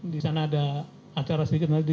di sana ada acara sedikit lagi